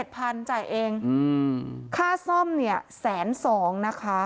๗๐๐๐บาทจ่ายเองค่าซ่อมแสนสองนะคะ